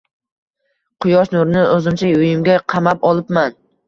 Quyosh nurini o’zimcha uyimga “qamab” olibman.